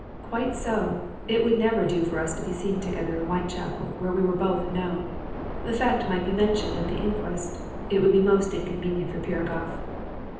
"Quite so! It would never do for us to be seen together in Whitechapel where we were both known. The fact might be mentioned at the inquest. It would be most inconvenient for Piragoff.